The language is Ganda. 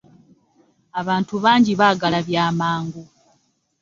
Abantu bangi baagala bya mangu.